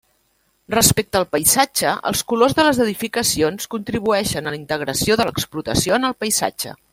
Respecte al paisatge, els colors de les edificacions contribueixen a la integració de l'explotació en el paisatge.